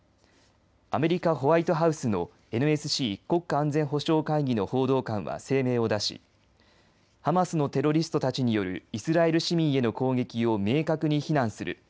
アメリカ、ホワイトハウスのＮＳＣ＝国家安全保障会議の報道官は声明を出しハマスのテロリストたちによるイスラエル市民への攻撃を明確に非難する。